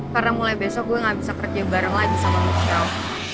karena mulai besok gue gak bisa kerja bareng lagi sama nusram